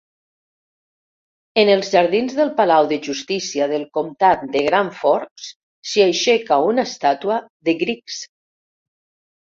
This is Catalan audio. En els jardins del Palau de Justícia del comtat de Grand Forks s'hi aixeca una estàtua de Griggs.